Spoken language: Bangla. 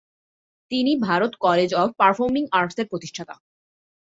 তিনি ভারত কলেজ অফ পারফর্মিং আর্টসের প্রতিষ্ঠাতা।